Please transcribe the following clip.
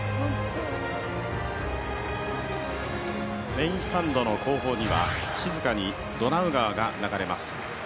メインスタンドの後方には静かにドナウ川が流れます。